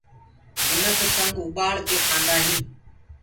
منک سنگ اُڀآݪ ڪي کآندآ هينٚ۔